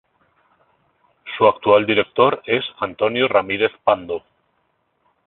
Su actual Director es Antonio Ramírez Pando.